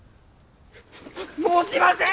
もうしません！